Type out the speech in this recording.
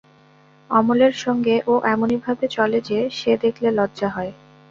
অমলের সঙ্গে ও এমনি ভাবে চলে যে, সে দেখলে লজ্জা হয়।